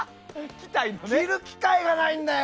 着る機会がないんだよ！